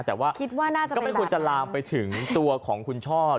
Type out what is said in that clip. แต่ว่าก็ไม่ควรจะลามไปถึงตัวของคุณชอบ